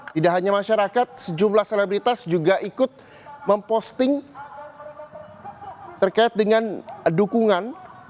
tidak hanya masyarakat sejumlah selebritas juga ikut memposting terkait dengan dukungan